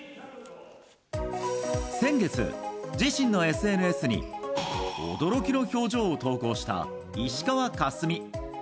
先月、自身のＳＮＳに驚きの表情を投稿した石川佳純。